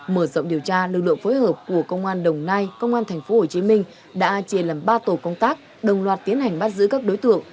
mở rộng điều tra lực lượng phối hợp của công an đồng nai công an tp hcm đã chia làm ba tổ công tác đồng loạt tiến hành bắt giữ các đối tượng